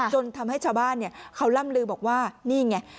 จนทำให้ชาวบ้านเขาล่ำลือบอกว่านี่ไง